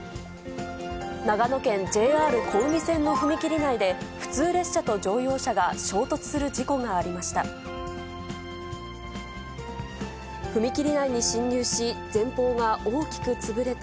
長野県ＪＲ小海線の踏切内で、普通列車と乗用車が衝突する事故がありました。